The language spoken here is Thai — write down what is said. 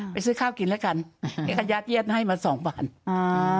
ไปซื้อข้าวกินแล้วกันเขากระยาดเย็ดให้มาสองวันอ่า